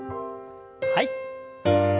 はい。